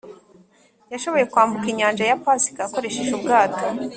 yashoboye kwambuka inyanja ya pasifika akoresheje ubwato.